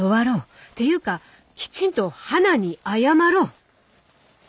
っていうかきちんと花に謝ろう。